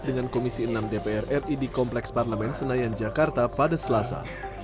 dengan komisi enam dpr ri di kompleks parlemen senayan jakarta pada selasa